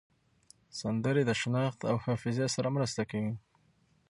سندرې د شناخت او حافظې سره مرسته کوي.